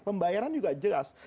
pembayaran juga jelas